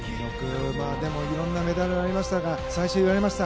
いろんなメダルがありましたが最初言われました。